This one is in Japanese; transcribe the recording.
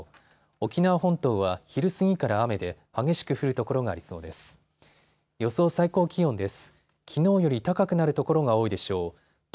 沖縄本島は昼過ぎから雨で激しく降る所がありそうです。